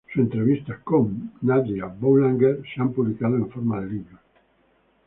Sus entrevistas con y con Nadia Boulanger se han publicado en forma de libros.